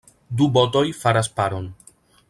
Du botoj faras paron.